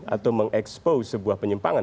atau mengekspos sebuah penyimpangan